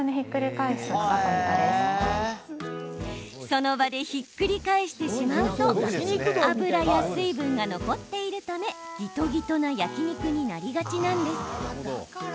その場でひっくり返してしまうと脂や水分が残っているためぎとぎとな焼き肉になりがちなんです。